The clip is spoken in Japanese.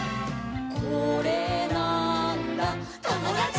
「これなーんだ『ともだち！』」